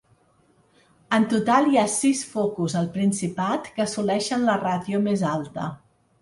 En total hi ha sis focus al Principat que assoleixen la ràtio més alta.